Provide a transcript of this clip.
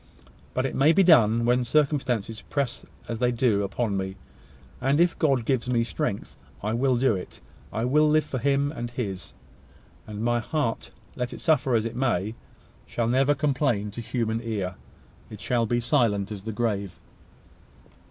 But it may be done when circumstances press as they do upon me; and, if God gives me strength, I will do it. I will live for Him and his; and my heart, let it suffer as it may, shall never complain to human ear. It shall be as silent as the grave."